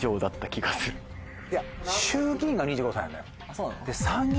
そうなの？